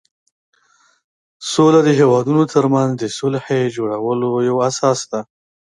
سوله د هېوادونو ترمنځ د صلحې جوړولو یوه اساس ده.